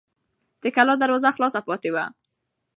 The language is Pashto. د کلا دروازه خلاصه پاتې وه.